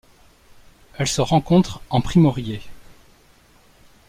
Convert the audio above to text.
Elle se rencontre en Primorié.